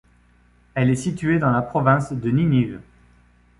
Elle est située dans la province de Ninive.